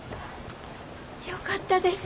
よかったです。